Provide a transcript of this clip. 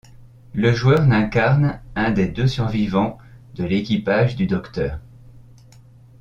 Le joueur incarne un des deux survivants de l'équipage du Dr.